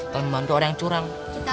kami bantu orang yang curang